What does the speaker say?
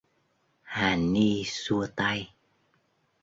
Hà Ni xua tay